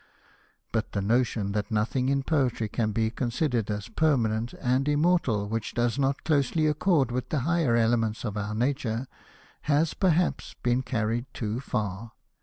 But the notion that nothing in poetry can be c^onsidered as permanent and immortal which does not closely accord with the higher elements of our nature, has perhaps been carried too far.